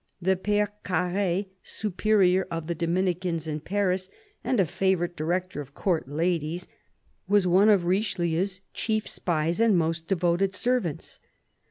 The Pere Carre, Superior of the Dominicans in Paris and a favourite director of Court ladies, was one of Richelieu's chief spies and most devoted servants.